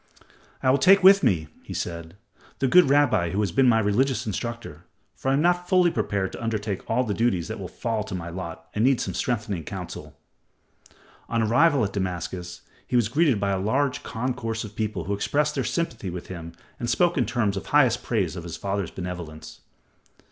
"I will take with me," he said, "the good rabbi who has been my religious instructor, for I am not fully prepared to undertake all the duties that will fall to my lot and need some strengthening counsel." On arrival at Damascus he was greeted by a large concourse of people who expressed their sympathy with him and spoke in terms of highest praise of his father's benevolence.